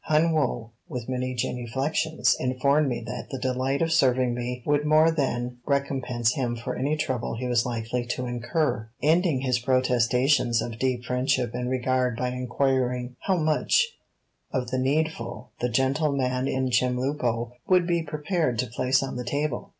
Hun Woe, with many genuflections, informed me that the delight of serving me would more than recompense him for any trouble he was likely to incur, ending his protestations of deep friendship and regard by inquiring how much of the needful the gentleman in Chemulpo would be prepared to place on the table.